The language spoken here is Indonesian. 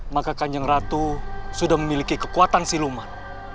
maka kanjeng ratu sudah memiliki kekuatan siluman